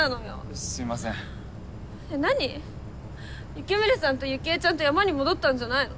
ユキムネさんとユキエちゃんと山に戻ったんじゃないの？